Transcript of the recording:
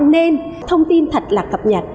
nên thông tin thật là cập nhật